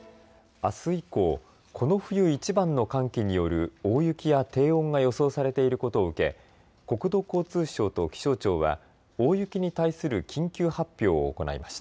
あす以降、この冬いちばんの寒気による大雪や低温が予想されていることを受け国土交通省と気象庁は大雪に対する緊急発表を行いました。